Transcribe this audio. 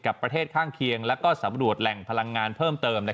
ประเทศข้างเคียงและสำรวจแหล่งพลังงานเพิ่มเติม